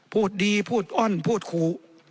พูดดีพูดอ้อนพูดขู่